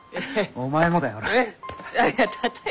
お前もだよほら。